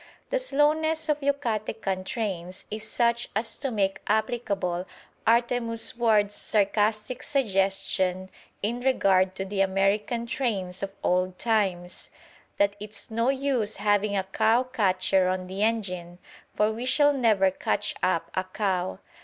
The slowness of Yucatecan trains is such as to make applicable Artemus Ward's sarcastic suggestion in regard to the American trains of old times, "that it's no use having a cow catcher on the engine, for we shall never catch up a cow.